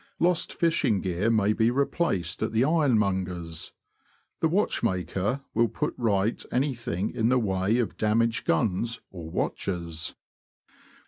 Lost fishing gear may be replaced at the ironmonger's. The watchmaker will put right anything in the way of damaged guns or watches.